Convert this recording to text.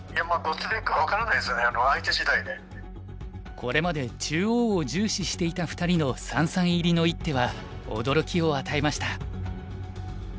これまで中央を重視していた２人の三々入りの一手は驚きを与えました。